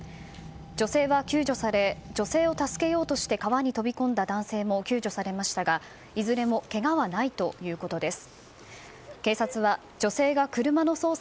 女性は救助され女性を助けようとして川に飛び込んだ男性も救助されましたがいずれもけがはないということです。